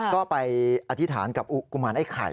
ก็ไปอธิษฐานกับกุมารไอ้ไข่